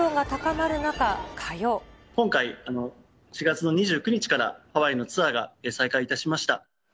今回、４月の２９日からハワイのツアーが再開いたしました。